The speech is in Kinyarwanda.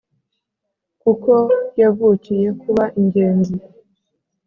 Kuko yavukiye kuba ingenzi